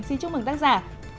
xin chúc mừng tác giả